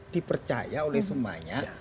dipercaya oleh semuanya